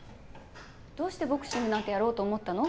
どうしてボクシングなんてやろうと思ったの？